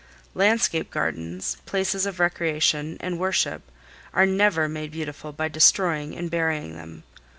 Landscape gardens, places of recreation and worship, are never made beautiful by destroying and burying them.